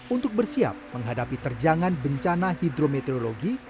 untuk bersiap menghadapi terjangan bencana hidrometeorologi